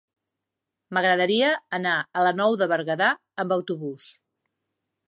M'agradaria anar a la Nou de Berguedà amb autobús.